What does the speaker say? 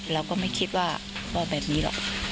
เราก็ไม่คิดว่าแบบนี้หรอก